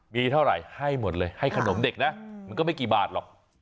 มีเท่าไหร่ให้หมดเลยให้ขนมเด็กนะมันก็ไม่กี่บาทหรอก